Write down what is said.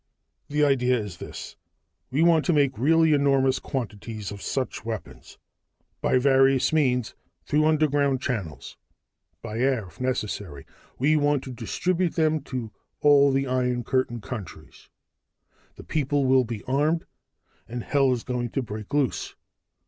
"The idea is this. We want to make really enormous quantities of such weapons. By various means through underground channels, by air if necessary we want to distribute them to all the Iron Curtain countries. The people will be armed, and hell is going to break loose!